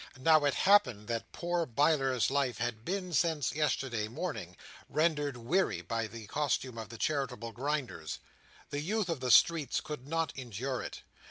Now, it happened that poor Biler's life had been, since yesterday morning, rendered weary by the costume of the Charitable Grinders. The youth of the streets could not endure it.